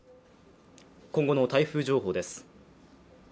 今後の台風情報です。